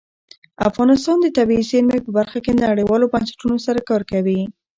افغانستان د طبیعي زیرمې په برخه کې نړیوالو بنسټونو سره کار کوي.